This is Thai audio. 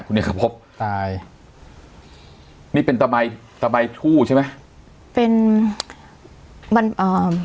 คุณเอกพบตายนี่เป็นตะใบตะใบทู่ใช่ไหมเป็นมันอ่า